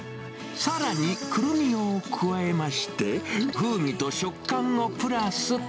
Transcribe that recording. さらにくるみを加えまして、風味と食感をプラス。